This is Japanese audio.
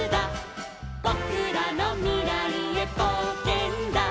「ぼくらのみらいへぼうけんだ」